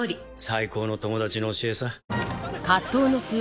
最高の友達の教えさ。